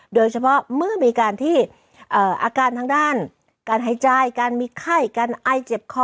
เมื่อมีการที่อาการทางด้านการหายใจการมีไข้การไอเจ็บคอ